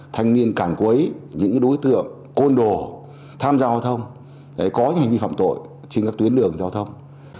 không nên cản quấy những đối tượng côn đồ tham gia giao thông để có hành vi phạm tội trên các tuyến đường giao thông